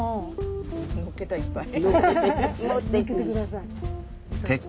のっけたいっぱい。